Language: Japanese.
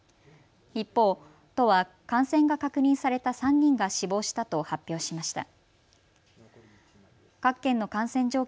一方、都は感染が確認された３人が死亡したと発表しました。